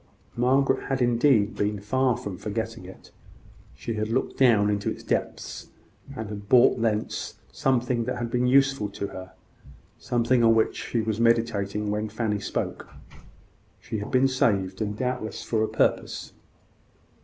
Margaret had indeed been far from forgetting it. She had looked down into its depths, and had brought thence something that had been useful to her something on which she was meditating when Fanny spoke. She had been saved, and doubtless for a purpose.